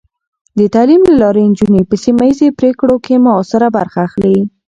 د تعلیم له لارې، نجونې په سیمه ایزې پرېکړو کې مؤثره برخه اخلي.